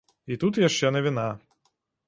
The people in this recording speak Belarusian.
І тут яшчэ навіна.